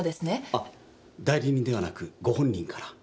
あっ代理人ではなくご本人から。